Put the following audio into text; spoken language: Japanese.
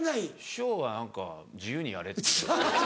師匠は何か自由にやれって。